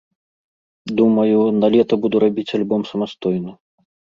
Думаю, налета буду рабіць альбом самастойна.